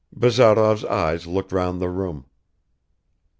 Bazarov's eyes looked round the room.